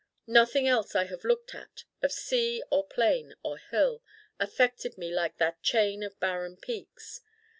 Nothing else I have looked at, of sea or plain or hill, affected me like that chain of barren peaks.